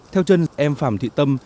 theo trân em phạm thị tâm